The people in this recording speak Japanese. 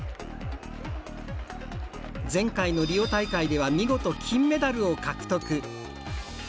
前回のリオ大会では見事、金メダルを獲得。